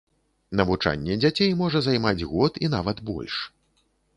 Навучанне дзяцей можа займаць год і нават больш.